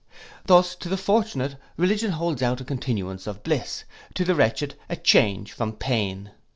Thus to the fortunate religion holds out a continuance of bliss, to the wretched a change from pain.